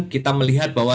kita melihat bahwa